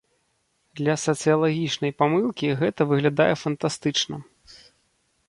Для сацыялагічнай памылкі гэта выглядае фантастычна.